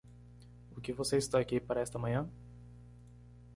O que você está aqui para esta manhã?